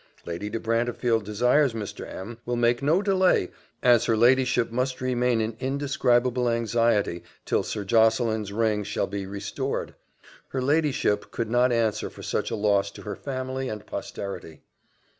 "Lady de Brantefield desires Mr. M. will make no delay, as her ladyship must remain in indescribable anxiety till Sir Josseline's ring shall be restored. Her ladyship could not answer for such a loss to her family and posterity.